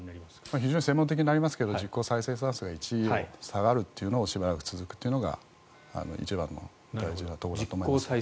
非常に専門的になりますが実効再生産数１より下がるということがしばらく続くというのが一番の大事なところかと。